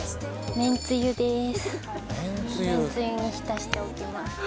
めんつゆに浸しておきます。